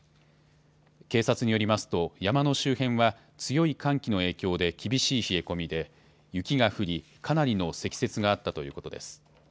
警察によりますと山の周辺は強い寒気の影響で厳しい冷え込みで雪が降り、かなりの積雪があったということです。